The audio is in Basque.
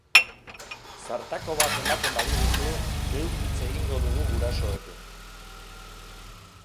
Zartako bat ematen badiguzu, geuk hitz egingo dugu Gurasoekin.